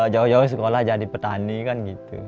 jauh jauh sekolah jadi petani kan gitu